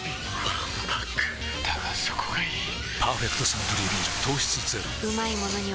わんぱくだがそこがいい「パーフェクトサントリービール糖質ゼロ」